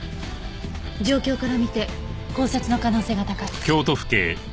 状況から見て絞殺の可能性が高い。